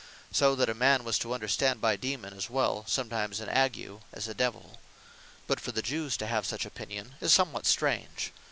So that a man was to understand by Daemon, as well (sometimes) an Ague, as a Divell. But for the Jewes to have such opinion, is somewhat strange.